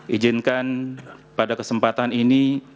ijinkan pada kesempatan ini